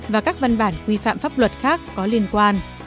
và các văn bản quy phạm pháp luật khác có liên quan